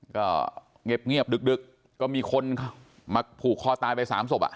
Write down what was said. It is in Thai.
ก็เงียบดึกก็มีคนมาผูกคอตายไป๓ศพ